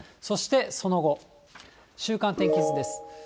そしてその後、週間天気図です。